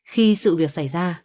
khi sự việc xảy ra